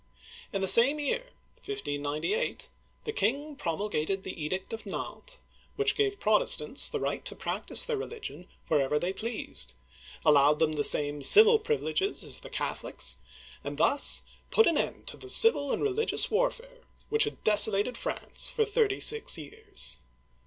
In the same year, 1598, the king promulgated the Edict of Nantes (nants, or, naNt), which gave Protestants the right to practice their religion wherever they pleased, allowed them the same civil privileges as the Catholics, and thus put an end to the civil and religious warfare which had deso lated France for thirty six years.